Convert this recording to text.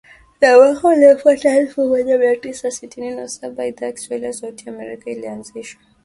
Na mwaka uliofuata elfu mmoja mia tisa sitini na saba Idhaa ya Kiswahili ya Sauti ya Amerika ilianzishwa